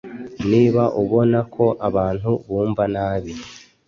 niba ubona ko abantu bumva nabi